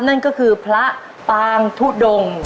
นั่นก็คือพระปางทุดง